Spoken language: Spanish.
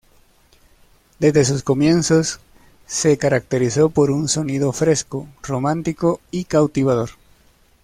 Desde sus comienzos, se caracterizó por un sonido fresco, romántico y cautivador.